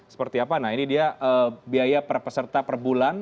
seperti apa nah ini dia biaya per peserta per bulan